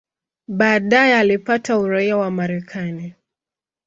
Baadaye alipata uraia wa Marekani.